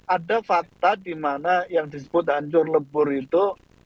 ada fakta di mana yang disebut hancur lebur itu